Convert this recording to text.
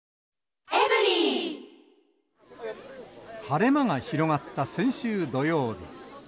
晴れ間が広がった先週土曜日。